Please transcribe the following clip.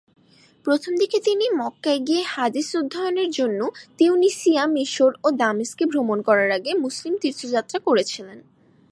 প্রথমদিকে, তিনি মক্কায় গিয়ে হাদীস অধ্যয়নের জন্য তিউনিসিয়া, মিশর ও দামেস্কে ভ্রমণ করার আগে মুসলিম তীর্থযাত্রা করেছিলেন।